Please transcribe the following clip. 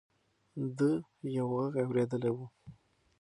ده یو غږ اورېدلی و.